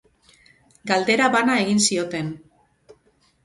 Galdera bana egin zioten.